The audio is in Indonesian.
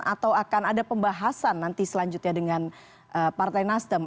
atau akan ada pembahasan nanti selanjutnya dengan partai nasdem